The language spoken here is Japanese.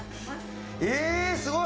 えすごい！